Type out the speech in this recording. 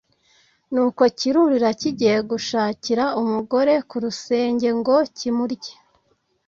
ni uko kirurira kigiye gushakira umugore ku rusenge ngo kimurye